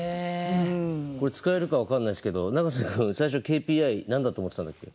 これ使えるか分かんないですけど永瀬君最初ＫＰＩ何だと思ってたんだっけ？